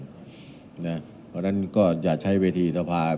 เพราะฉะนั้นก็อย่าใช้เวทีสภา